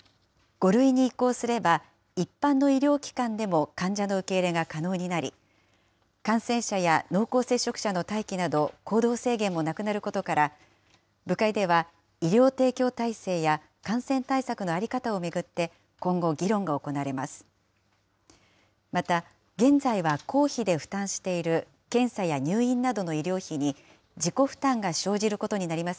５類に移行すれば、一般の医療機関でも患者の受け入れが可能になり、感染者や濃厚接触者の待機など行動制限もなくなることから、部会では医療提供体制や感染対策の在り方を巡って、今後、議論が行われます。